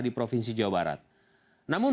di provinsi jawa barat namun